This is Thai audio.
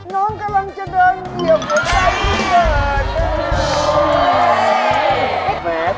น้องกำลังจะเดินเหยียบใกล้เลือด